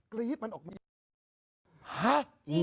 จริงเหรอ